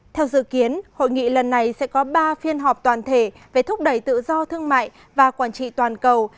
theo dự kiến hội nghị lần này sẽ có ba phiên họp toàn thể về thúc đẩy tự do thương mại và quản trị toàn cầu